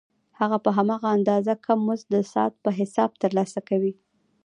هغه په هماغه اندازه کم مزد د ساعت په حساب ترلاسه کوي